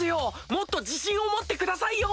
もっと自信を持ってくださいよ！